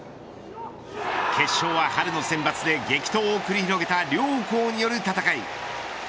決勝は春のセンバツで激闘を繰り広げた両校による戦い。